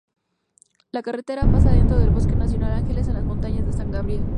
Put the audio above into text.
La carretera pasa dentro del Bosque Nacional Ángeles en las Montañas de San Gabriel.